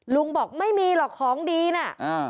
ลุงบอกไม่มีหรอกของดีน่ะอ่า